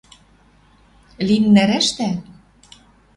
лин нӓрӓштӓ?